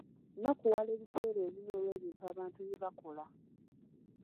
Nnakuwala ebiseera ebimu olw'ebintu abantu bye bakola.